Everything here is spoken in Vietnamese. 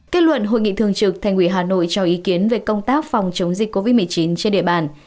kết luận hội nghị thường trực thành ủy hà nội cho ý kiến về công tác phòng chống dịch covid một mươi chín trên địa bàn